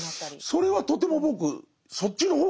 それはとても僕そっちの方がいい形。